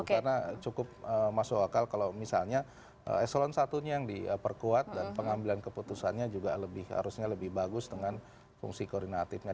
karena cukup masuk akal kalau misalnya eselon satunya yang diperkuat dan pengambilan keputusannya juga harusnya lebih bagus dengan fungsi koordinatifnya